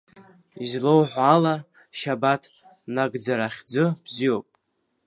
Излоуҳәо ала, Шьабаҭ, Нагӡара хьӡы бзиоуп.